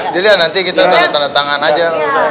deal ya nanti kita tanda tanda tangan aja